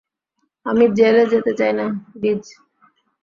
আমি জেলে যেতে চাই না, ডিজ।